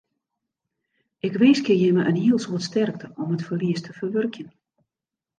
Ik winskje jimme in hiel soad sterkte om it ferlies te ferwurkjen.